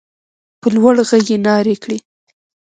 په لوړ غږ يې نارې کړې.